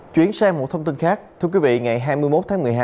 chuyển sang một thông tin khác thưa quý vị ngày hai mươi một tháng một mươi hai